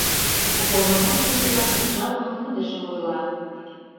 Уполномоченныйлан ужалыме лудыжым ойла...